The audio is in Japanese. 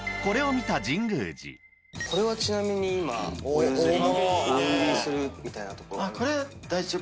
これはちなみに今お譲り。